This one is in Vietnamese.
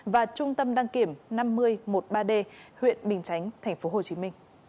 và trung tâm đăng kiểm năm nghìn một mươi ba d huyện bình chánh tp hcm